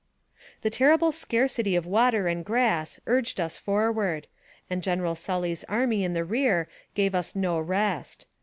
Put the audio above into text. The terrible scarcity of water and grass urged us for ward, and General Sully's army in the rear gave us no rest.